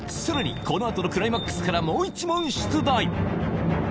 さらにこのあとのクライマックスからもう１問出題！